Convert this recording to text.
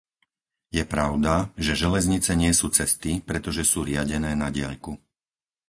Je pravda, že železnice nie sú cesty, pretože sú riadené na diaľku.